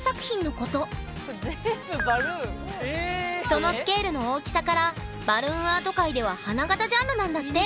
そのスケールの大きさからバルーンアート界では花形ジャンルなんだって！